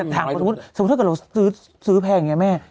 ถ้าเกิดเราซื้อแพงอย่างเนี้ยแม่